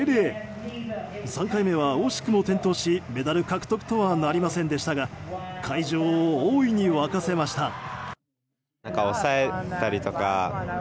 ３回目は惜しくも転倒しメダル獲得とはなりませんでしたが会場を大いに沸かせました。